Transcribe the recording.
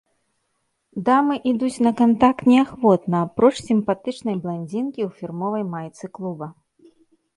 Дамы ідуць на кантакт неахвотна, апроч сімпатычнай бландзінкі ў фірмовай майцы клуба.